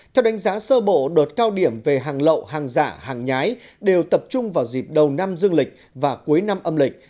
theo đánh giá sơ bộ đợt cao điểm về hàng lậu hàng giả hàng nhái đều tập trung vào dịp đầu năm dương lịch và cuối năm âm lịch